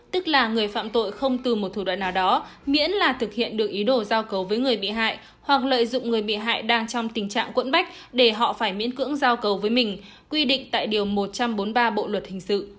tức là người phạm tội không từ một thủ đoạn nào đó miễn là thực hiện được ý đồ giao cấu với người bị hại hoặc lợi dụng người bị hại đang trong tình trạng cuộn bách để họ phải miễn cưỡng giao cấu với mình